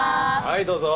はいどうぞ。